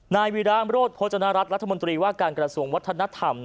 นายวิรามโรธโภจนรัฐรัฐมนตรีว่าการกระทรวงวัฒนธรรม